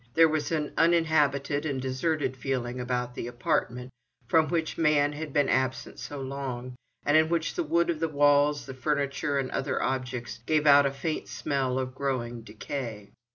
There was an uninhabited and deserted feeling about the apartment from which man had been absent so long, and in which the wood of the walls, the furniture and other objects gave out a faint smell of growing decay.